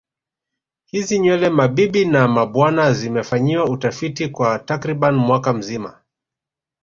Hizi nywele mabibi na mabwana zimefanyiwa utafiti kwa takriban mwaka mzima